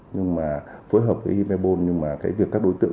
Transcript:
nhưng mà phối hợp với imebon